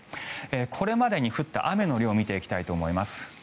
これまでに降った雨の量を見ていきたいと思います。